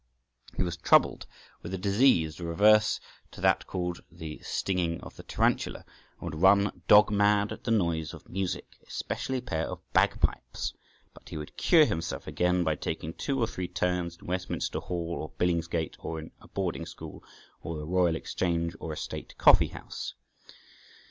He was troubled with a disease the reverse to that called the stinging of the tarantula, and would run dog mad at the noise of music, especially a pair of bagpipes {148a}. But he would cure himself again by taking two or three turns in Westminster Hall, or Billingsgate, or in a boarding school, or the Royal Exchange, or a state coffee house.